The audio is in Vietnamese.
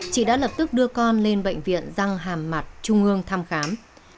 chị đã lập tức đưa con lên bệnh viện răng hàm mặt trung ương thăm khám